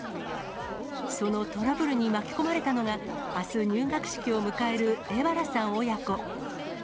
そのトラブルに巻き込まれたのが、あす入学式を迎える荏原さん親子。